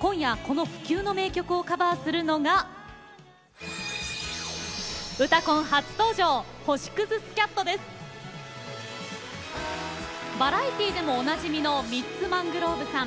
今夜この不朽の名曲をカバーするのがバラエティーでもおなじみのミッツ・マングローブさん。